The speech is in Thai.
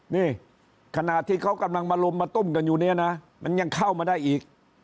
นี่ขณะที่เขากำลังมาลุมมาตุ้มกันอยู่เนี่ยนะมันยังเข้ามาได้อีก